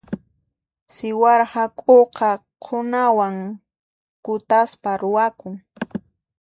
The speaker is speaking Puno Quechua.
Siwara hak'uqa qhunawan kutaspa ruwakun.